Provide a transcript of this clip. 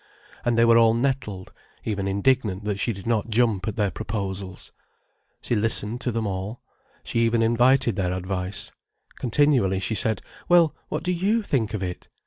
And they were all nettled, even indignant that she did not jump at their proposals. She listened to them all. She even invited their advice. Continually she said: "Well, what do you think of it?"